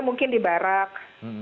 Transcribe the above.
mungkin di barak